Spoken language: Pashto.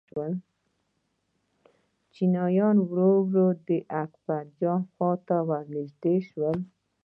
چیني ورو ورو د اکبرجان خواته را نژدې شو.